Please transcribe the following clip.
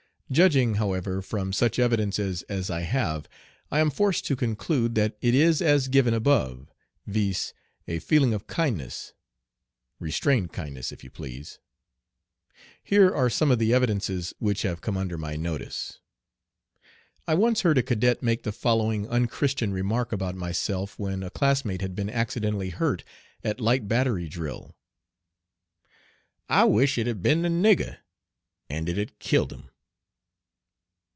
Judging, however, from such evidences as I have, I am forced to conclude that it is as given above, viz., a feeling of kindness, restrained kindness if you please. Here are some of the evidences which have come under my notice. I once heard a cadet make the following unchristian remark about myself when a classmate had been accidentally hurt at light battery drill: "I wish it had been the nigger, and it had killed him."